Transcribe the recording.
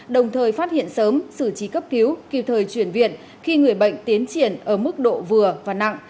đồng thời phát hiện sớm xử trí cấp cứu kịp thời chuyển viện khi người bệnh tiến triển ở mức độ vừa và nặng